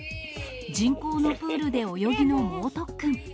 人工のプールで泳ぎの猛特訓。